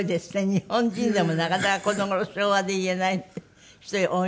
日本人でもなかなかこの頃昭和で言えない人が多いのに。